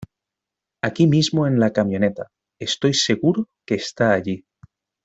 Aquí mismo en la camioneta. Estoy seguro que está allí .